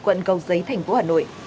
quận cầu giấy thành phố hà nội